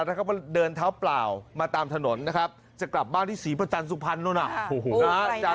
แล้วก็เดินเท้าเปล่ามาตามถนนนะครับจะกลับบ้านที่ศรีประจันทร์สุพรรณนู้น